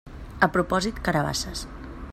A propòsit carabasses.